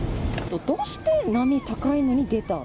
どうして波高いのに出た？